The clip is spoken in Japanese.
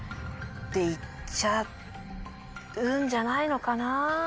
て行っちゃうんじゃないのかな？